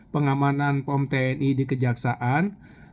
pengamanan pom tni di kejaksaan